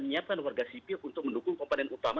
menyiapkan warga sipil untuk mendukung komponen utama